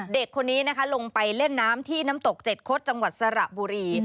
เด็กคนนี้นะคะลงไปเล่นน้ำที่น้ำตกเจ็ดคดจังหวัดสระบุรี